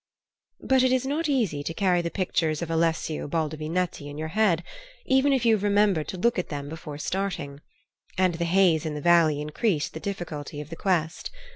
But it is not easy to carry the pictures of Alessio Baldovinetti in your head, even if you have remembered to look at them before starting. And the haze in the valley increased the difficulty of the quest.